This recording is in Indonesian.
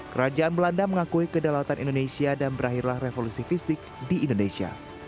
kerajaan belanda mengakui kedalatan indonesia dan berakhirlah revolusi fisik di indonesia